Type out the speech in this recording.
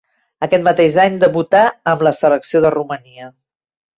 Aquest mateix any debutà amb la selecció de Romania.